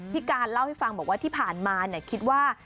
พี่กานเล่าให้ฟังที่ผ่านมาคิดว่า